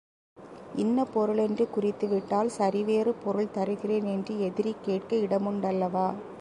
இன்ன பொருள் என்று குறித்துவிட்டால், சரி வேறு பொருள் தருகிறேன் என்று எதிரி கேட்க இடமுண்டல்லவா?